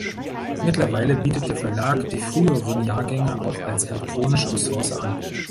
Mittlerweile bietet der Verlag die früheren Jahrgänge auch als elektronische Ressource an.